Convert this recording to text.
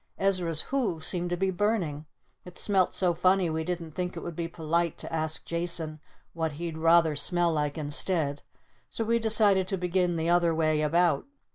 Ezra's hoofs seemed to be burning! It smelt so funny we didn't think it would be polite to ask Jason what he'd rather smell like instead! So we decided to begin the other way about.